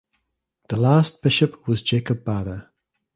The last bishop was Jacob Bada.